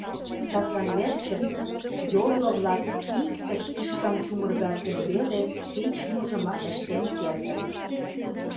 Садлан верчын йорло-влак иктыш тӱшкан чумыргат гын веле кеч-можымат ыштен кертыт.